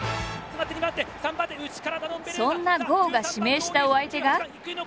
そんな郷が指名したお相手が。